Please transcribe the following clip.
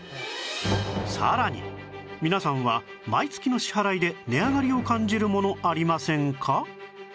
さらに皆さんは毎月の支払いで値上がりを感じるものありませんか？